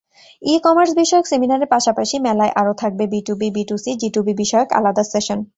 E-commerce বিষয়ক সেমিনারের পাশাপাশি মেলায় আরও থাকবে বিটুবি, বিটুসি, জিটুবি বিষয়ক আলাদা সেশন।